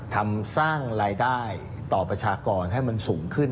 ทำสร้างรายได้ต่อประชากรให้มันสูงขึ้น